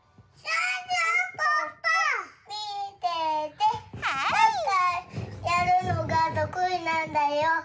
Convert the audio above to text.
サッカーやるのがとくいなんだよ。